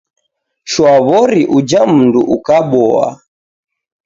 Shwawori uja mndu ukaboa